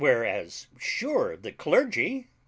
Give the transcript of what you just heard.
whereas sure the clergy